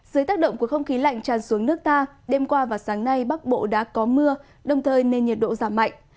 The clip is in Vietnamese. dưới tác động của không khí lạnh tràn xuống nước ta đêm qua và sáng nay bắc bộ đã có mưa đồng thời nên nhiệt độ giảm mạnh